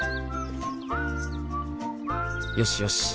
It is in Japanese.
よしよし